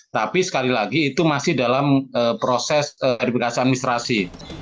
tapi sekali lagi itu masih dalam proses verifikasi administrasi